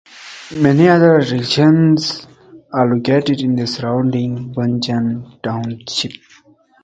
Many other attractions are located in surrounding Buchanan Township.